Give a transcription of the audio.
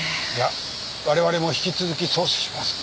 われわれも引き続き捜査します。